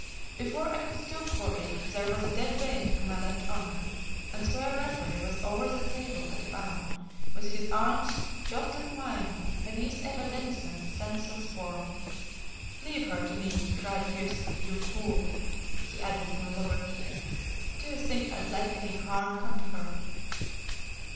Before I could stoop for it there was a dead weight on my left arm, and Squire Rattray was over the table at a bound, with his arms jostling mine beneath Eva Denison's senseless form. "Leave her to me," he cried fiercely. "You fool," he added in a lower key, "do you think I'd let any harm come to her?"